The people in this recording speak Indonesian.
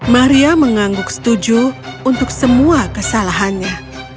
maria mengangguk setuju untuk semua kesalahannya